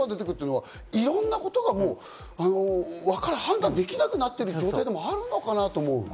いろんなことが判断できなくなってる状態でもあるのかなと思う。